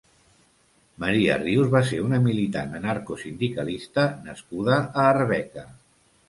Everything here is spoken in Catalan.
Maria Rius va ser una militant anarcosindicalista nascuda a Arbeca.